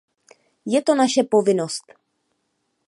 Je to naše povinnost.